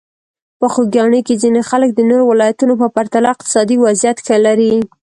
په خوږیاڼي کې ځینې خلک د نورو ولایتونو په پرتله اقتصادي وضعیت ښه لري.